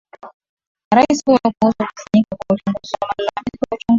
rais huyo kuhusu kufanyika kwa uchunguzi wa malalamiko ya uchaguzi wa septemba